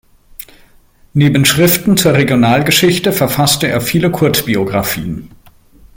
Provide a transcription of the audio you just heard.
Neben Schriften zur Regionalgeschichte verfasste er viele Kurzbiographien.